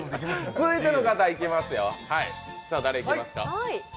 続いての方いきますよ。